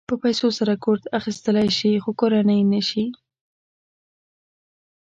په پیسو سره کور اخيستلی شې خو کورنۍ نه شې.